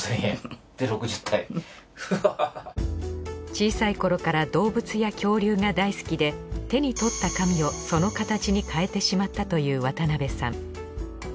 小さい頃から動物や恐竜が大好きで手に取った紙をその形に変えてしまったという渡邊さん。